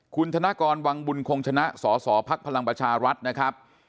คุณธนกรวังบุญคงชนะสอสอภักดิ์พลังประชารัฐนะครับ